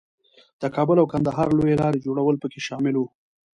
د کابل او کندهار لویې لارې جوړول پکې شامل وو.